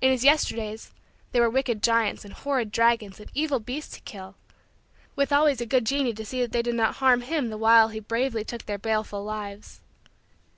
In his Yesterdays, there were wicked giants and horrid dragons and evil beasts to kill, with always a good Genii to see that they did not harm him the while he bravely took their baleful lives.